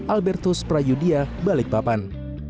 albertus prayudia balikpapan